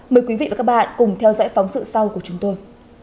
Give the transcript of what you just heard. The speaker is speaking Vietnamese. mời quý vị và các bạn cùng theo dõi phóng sự sau của chúng tôi